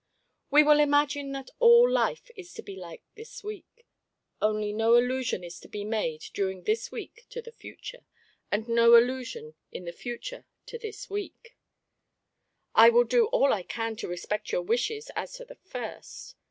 "We will imagine that all life is to be like this week only no allusion is to be made during this week to the future, and no allusion in the future to this week." "I will do all I can to respect your wishes as to the first.